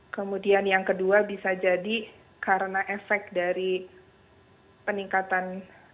kemudian yang kedua bisa jadi karena efek dari peningkatan